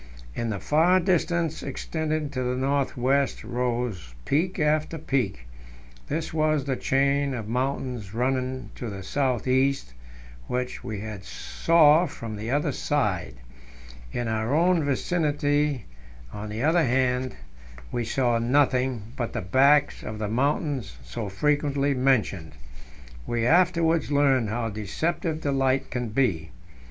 In the far distance, extending to the north west, rose peak after peak; this was the chain of mountains running to the south east, which we now saw from the other side. In our own vicinity, on the other band, we saw nothing but the backs of the mountains so frequently mentioned. We afterwards learned how deceptive the light can be.